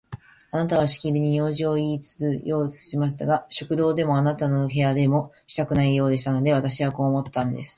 あなたはしきりに用事をいいつけようとされましたが、食堂でもあなたの部屋でもしたくないようでしたので、私はこう思ったんです。